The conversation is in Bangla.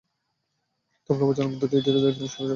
তবলা বাজানোর মধ্যে দিয়ে ধীরে ধীরে তিনি সুরের জগতে প্রবেশ করেন।